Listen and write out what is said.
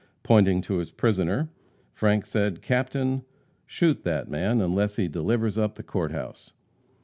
Pointing to his prisoner, Frank said, "Captain, shoot that man, unless he delivers up the Court house."